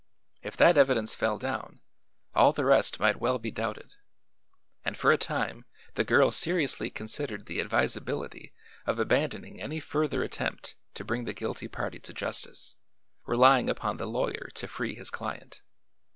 If that evidence fell down, all the rest might well be doubted, and for a time the girl seriously considered the advisability of abandoning any further attempt to bring the guilty party to justice, relying upon the lawyer to free his client.